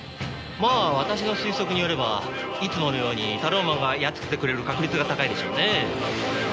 まあ私の推測によればいつものようにタローマンがやっつけてくれる確率が高いでしょうね。